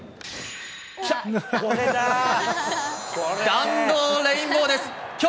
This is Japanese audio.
弾道レインボーです。